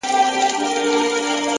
سترې موخې ستر صبر غواړي!